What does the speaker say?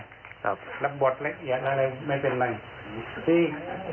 และบทละเอียดอะไรไม่เป็นอะไร